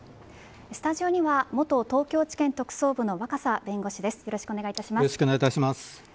スタジオには元東京地検特捜部の若狭弁護士です。